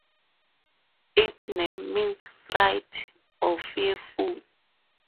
Its name means "fright" or "fearful".